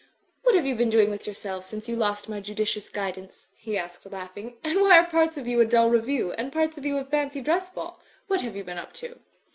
"What have you been doing with yourselves since you lost my judicious guidance?" he asked, laughing, ''and why are parts of you a dull review and parts of you a fancy dress ball? What have you been up to?"